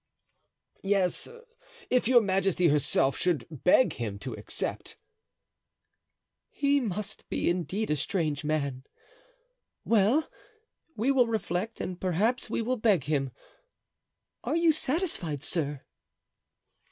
"Yes, if your majesty herself should beg him to accept." "He must be indeed a strange man. Well, we will reflect and perhaps we will beg him. Are you satisfied, sir?"